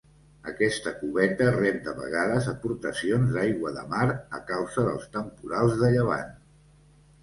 Aquesta cubeta rep de vegades aportacions d'aigua de mar a causa dels temporals de llevant.